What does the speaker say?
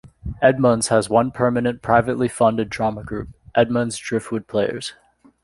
Edmonds has one permanent, privately funded drama group, Edmonds Driftwood Players.